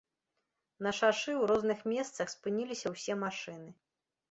На шашы, у розных месцах, спыніліся ўсе машыны.